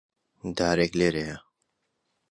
دارێک لێرەیە.